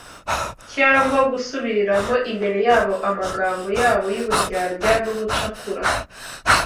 cyangwa gusubiriramo imbere yabo amagambo yabo y’uburyarya n’ubucakura